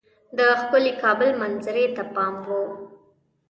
د ښکلي کابل منظرې ته پام وو.